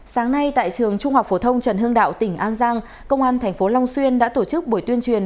sáng nay tại trường trung học phổ thông trần hương đạo tỉnh an giang công an tp long xuyên đã tổ chức buổi tuyên truyền